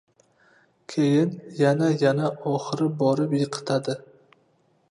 Keyin, yana, yana… oxiri borib… yiqitadi.